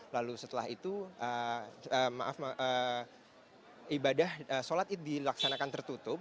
lalu setelah itu maaf ibadah sholat id dilaksanakan tertutup